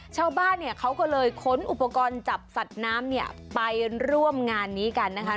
ชาวบ้านเนี่ยเขาก็เลยค้นอุปกรณ์จับสัตว์น้ำเนี่ยไปร่วมงานนี้กันนะคะ